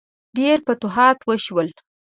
ډیر فتوحات وشول.